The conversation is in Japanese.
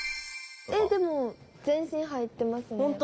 えっでも全身入ってますね。